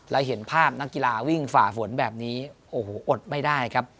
และเห็นภาพนักกีฬาวิ่งฝ่าฝนแบบนี้โอ้โหอดไม่ได้ครับ